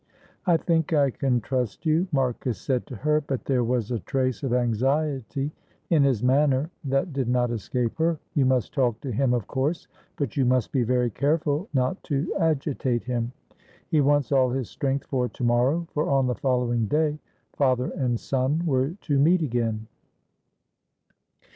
"I think I can trust you," Marcus said to her; but there was a trace of anxiety in his manner that did not escape her. "You must talk to him, of course; but you must be very careful not to agitate him; he wants all his strength for to morrow;" for on the following day father and son were to meet again.